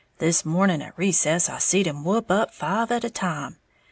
This morning at recess I seed him whup out five at a time.